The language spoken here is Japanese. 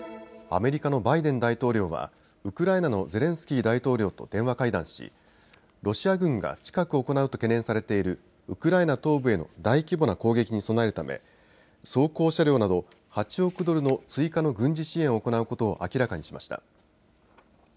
アメリカのバイデン大統領はウクライナのゼレンスキー大統領と電話会談しロシア軍が近く行うと懸念されているウクライナ東部への大規模な攻撃に備えるため装甲車両など８億ドルの追加の軍事支援を行うことを明らかにしました。